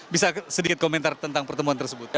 bisa sedikit komentar tentang pertemuan tersebut